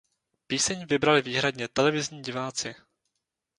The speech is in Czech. Píseň vybrali výhradně televizní diváci.